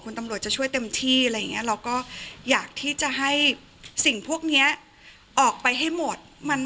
คุณตำรวจจะช่วยเต็มที่แล้วก็อยากที่จะให้สิ่งพวกนี้ออกไปให้หมด